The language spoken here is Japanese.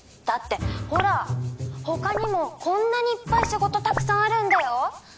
だってほら他にもこんなにいっぱい仕事たくさんあるんだよ。